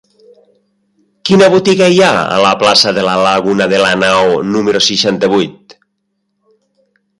Quina botiga hi ha a la plaça de la Laguna de Lanao número seixanta-vuit?